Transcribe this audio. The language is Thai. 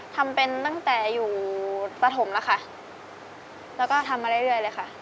ทำเป็นตั้งแต่อยู่ปฐมแล้วค่ะแล้วก็ทำมาเรื่อยเลยค่ะ